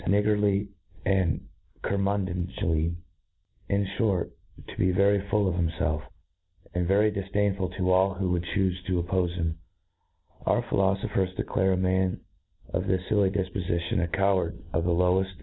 niggardly, and curmudgeonl y i n fhort, to be very full of himfelf, and very difdain ful to all who would not chufe to oppofe him our philofophers declare a man of this filly dilpo fition, a coward of the lowefl.